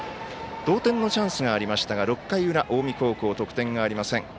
同点のチャンスがありましたが６回の裏、近江高校得点がありません。